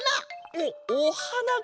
おっおはなか！